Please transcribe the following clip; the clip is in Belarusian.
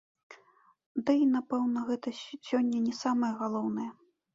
Дый, напэўна, гэта сёння не самае галоўнае!